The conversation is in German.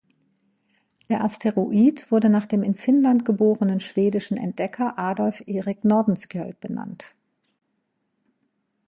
Der Asteroid wurde nach dem in Finnland geborenen schwedischen Entdecker Adolf Erik Nordenskiöld benannt.